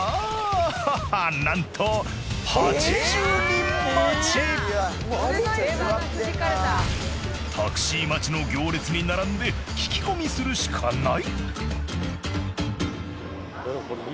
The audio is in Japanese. ハハッなんとタクシー待ちの行列に並んで聞き込みするしかない。